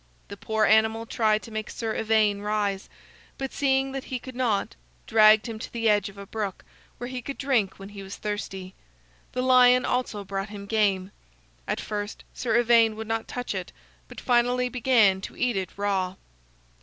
The poor animal tried to make Sir Ivaine rise, but seeing that he could not, dragged him to the edge of a brook, where he could drink when he was thirsty. The lion also brought him game. At first Sir Ivaine would not touch it, but finally began to eat it raw.